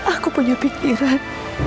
aku punya pikiran